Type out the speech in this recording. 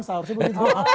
masalah sih begitu bang